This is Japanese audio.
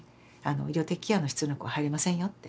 医療的ケアの必要な子は入れませんよって。